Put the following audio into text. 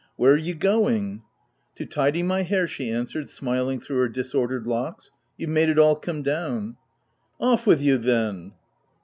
" Where are you going ?"" To tidy my hair," she answered, smiling through her disordered locks :" you've made it all come down." " Off with you then